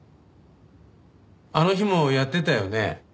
あの日もやってたよね？